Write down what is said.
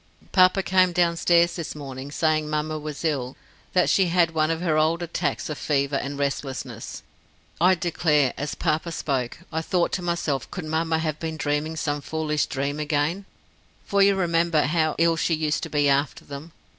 "Papa came downstairs this morning, saying mamma was ill, that she had one of her old attacks of fever and restlessness. I declare, as papa spoke, I thought to myself could mamma have been dreaming some foolish dream again for you remember how ill she used to be after them.